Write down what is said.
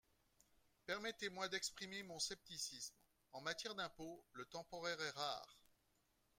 Permettez-moi d’exprimer mon scepticisme, en matière d’impôt, le temporaire est rare.